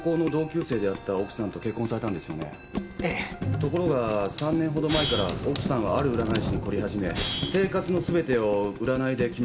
ところが３年ほど前から奥さんはある占い師に凝り始め生活のすべてを占いで決めるようになり。